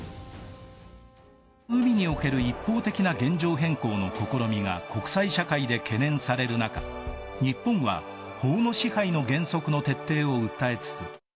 海における一方的な現状変更の試みが国際社会で懸念される中、日本は法の支配の原則の徹底を訴えつつ。